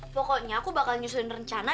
pokoknya aku bakal nyusun rencana